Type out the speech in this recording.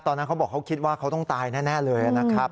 เขาบอกเขาคิดว่าเขาต้องตายแน่เลยนะครับ